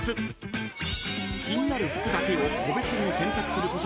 ［気になる服だけを個別に洗濯することができ